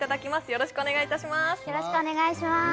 よろしくお願いします